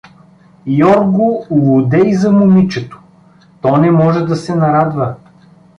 Йоргу лудей за момичето, то не може да се нарадва.